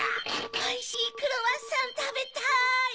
おいしいクロワッサンたべたい！